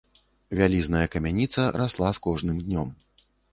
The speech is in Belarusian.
Вялізная камяніца расла з кожным днём.